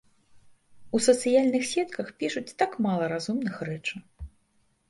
У сацыяльных сетках пішуць так мала разумных рэчаў.